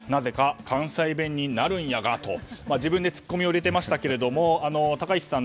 なぜか関西弁になるんやが！と自分で突っ込みを入れていましたけど高市さん